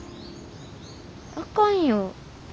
あかんよ。